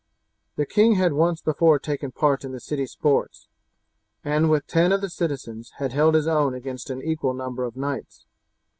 The king had once before taken part in the city sports, and with ten of the citizens had held his own against an equal number of knights.